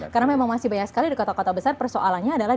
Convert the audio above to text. karena memang masih banyak sekali di kota kota besar persoalannya adalah